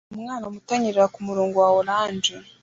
Umwana muto anyerera kumurongo wa orange